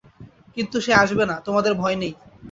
কিন্তু সে আসবে না, তোমাদের ভয় নেই।